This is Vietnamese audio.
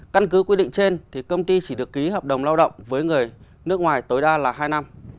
căn cứ quy định trên thì công ty chỉ được ký hợp đồng lao động với người nước ngoài tối đa là hai năm